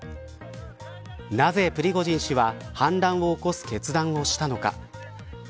なぜ、プリゴジン氏は反乱を起こす決断をしたのか。